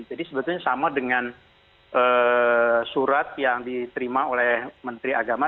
jadi sebetulnya sama dengan surat yang diterima oleh menteri agama